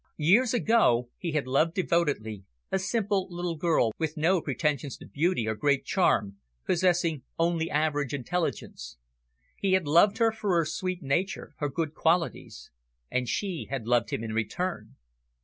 Years ago, he had loved devotedly a simple little girl with no pretensions to beauty or great charm, possessing only average intelligence. He had loved her for her sweet nature, her good qualities. And she had loved him in return.